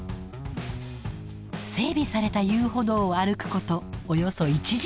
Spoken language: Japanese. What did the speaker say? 整備された遊歩道を歩くことおよそ１時間。